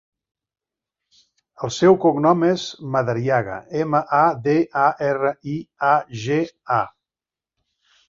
El seu cognom és Madariaga: ema, a, de, a, erra, i, a, ge, a.